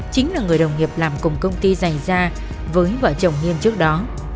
chính là người đồng nghiệp làm cùng công ty dày da với vợ chồng nghiên trước đó